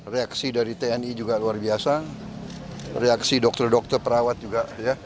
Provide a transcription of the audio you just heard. reaksi dari tni juga luar biasa reaksi dokter dokter perawat juga